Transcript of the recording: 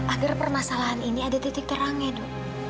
agar permasalahan ini ada titik terangnya dok